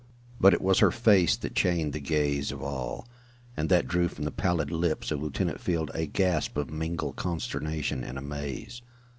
But it was her face that chained the gaze of all, and that drew from the pallid lips of Lieutenant Field a gasp of mingled consternation and amaze.